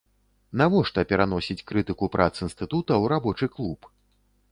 Навошта пераносіць крытыку прац інстытута ў рабочы клуб?